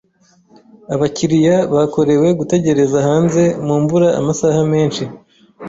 Abakiriya bakorewe gutegereza hanze mumvura amasaha menshi.